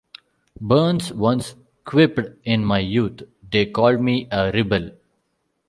Burns once quipped In my youth, they called me a rebel.